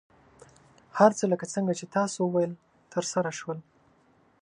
هر څه لکه څنګه چې تاسو وویل، ترسره شول.